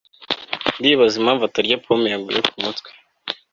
ndibaza impamvu atarya pome yaguye kumutwe